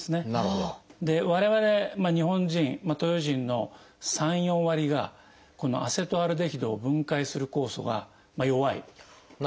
我々日本人東洋人の３４割がこのアセトアルデヒドを分解する酵素が弱い欠けている。